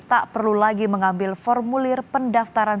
tak perlu lagi mengambil formulir pendaftaran